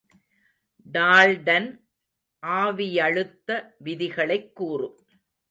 Dalton ஆவியழுத்த விதிகளைக் கூறு.